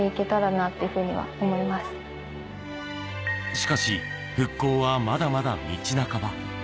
しかし復興はまだまだ道半ば。